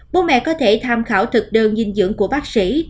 bố mẹ có thể tham khảo thực đơn dinh dưỡng của bác sĩ